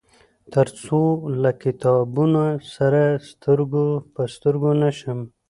تر څو له کتابونه سره سترګو په سترګو نشم.